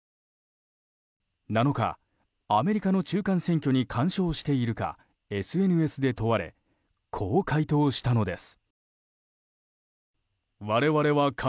７日、アメリカの中間選挙に干渉しているかＳＮＳで問われこう回答したのです。